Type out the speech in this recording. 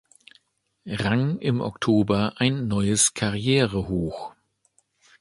Rang im Oktober ein neues Karrierehoch.